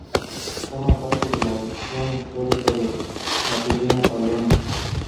Forma parte de la región histórica de la Pequeña Polonia.